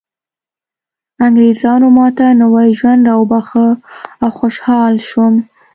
انګریزانو ماته نوی ژوند راوباښه او خوشحاله شوم